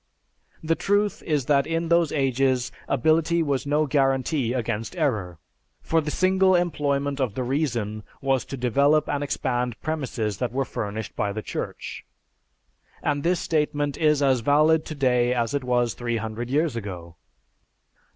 The truth is that in those ages ability was no guarantee against error; for the single employment of the reason was to develop and expand premises that were furnished by the Church. And this statement is as valid today as it was three hundred years ago.